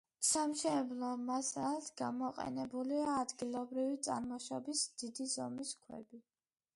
სამშენებლო მასალად გამოყენებულია ადგილობრივი წარმოშობის, დიდი ზომის ქვები.